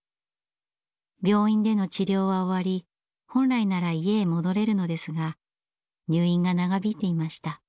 病院での治療は終わり本来なら家へ戻れるのですが入院が長引いていました。